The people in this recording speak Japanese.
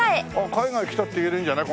海外来たって言えるんじゃない？